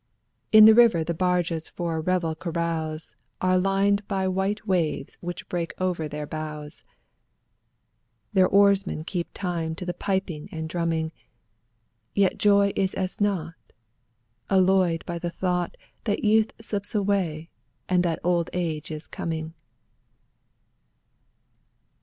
In the river the barges for revel carouse Are lined by white waves which break over their bows; Their oarsmen keep time to the piping and drumming Yet joy is as naught Alloyed by the thought That youth slips away and that old age is coming.